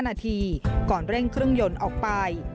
นาทีก่อนเร่งเครื่องยนต์ออกไป